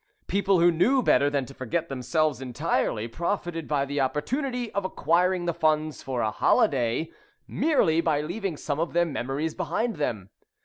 People who knew better than to forget themselves entirely profited by the opportunity of acquiring the funds for a holiday, merely by leaving some of their memories behind them.